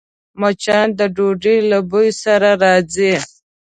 مچان د ډوډۍ له بوی سره راځي